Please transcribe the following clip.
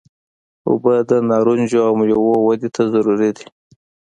اوبه د نارنجو او میوو ودې ته ضروري دي.